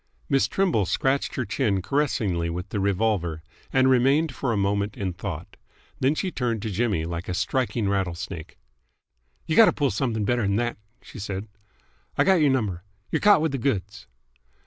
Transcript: Miss Trimble scratched her chin caressingly with the revolver, and remained for a moment in thought. Then she turned to Jimmy like a striking rattlesnake. "Y' gotta pull someth'g better th'n that," she said. "I got y'r number. Y're caught with th' goods."